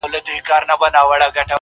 • زلفي يې زما پر سر سايه جوړوي.